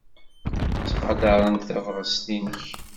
Ttqadarent tabɣest-nnek.